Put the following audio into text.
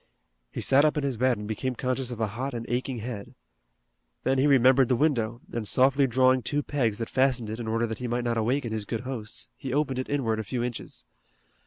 He sat up in his bed and became conscious of a hot and aching head. Then he remembered the window, and softly drawing two pegs that fastened it in order that he might not awaken his good hosts, he opened it inward a few inches.